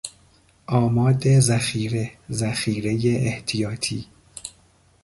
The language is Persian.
آماد ذخیره، ذخیره احتیاطی